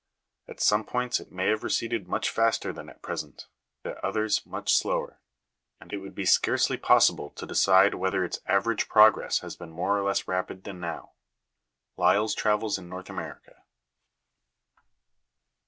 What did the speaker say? At some points it may have receded much faster than at present, at others much slower ; and it would be scarcely possible to decide whether its ave rage progress has been more or less rapid than now." LyelVs Travels in North America.